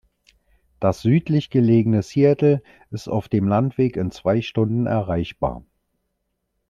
Das südlich gelegene Seattle ist auf dem Landweg in zwei Stunden erreichbar.